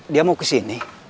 dia mau kesini